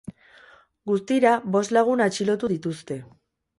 Guztira, bost lagun atxilotu dituzte.